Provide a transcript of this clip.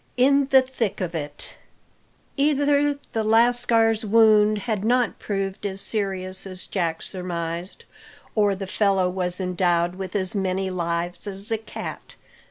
IN THE THICK OF IT. Either the lascar's wound had not proved as serious as Jack surmised, or the fellow was endowed with as many lives as a cat.